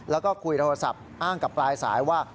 แล้วก็คุยโทรศัพท์อ้างกับปลายสายว่า